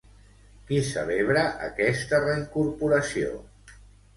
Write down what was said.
Qui celebra aquesta reincorporació?